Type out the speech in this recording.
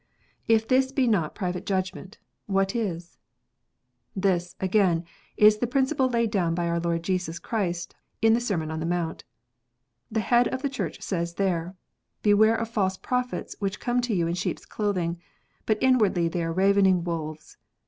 If this be not private judgment, what is *? This, again, is the principle laid down by our Lord Jesus Christ in the Sermon on the Mount. The Head of the Church says there : "Beware of false prophets which come to you in sheep s clothing, but inwardly they are ravening wolves.